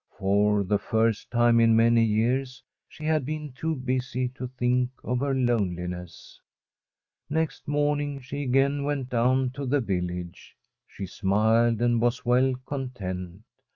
For the first time in many years she had been too busy to think of her loneliness. Next morning she again went down to the village. She smiled, and was well content.